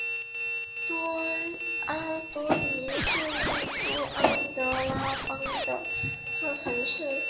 阿多尼是印度安得拉邦的一座城市。